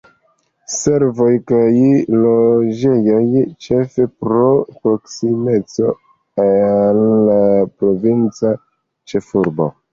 Servoj kaj loĝejoj, ĉefe pro proksimeco al la provinca ĉefurbo.